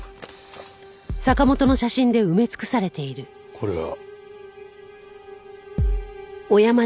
これは。